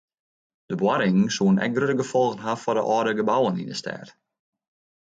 De boarringen soene ek grutte gefolgen ha foar de âlde gebouwen yn de stêd.